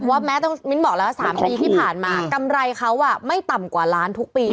เพราะแม้มิ้นบอกแล้ว๓ปีที่ผ่านมากำไรเขาอ่ะไม่ต่ำกว่าล้านทุกปี